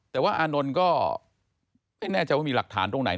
แต่ว่าอานนท์ก็ไม่แน่ใจว่ามีหลักฐานตรงไหน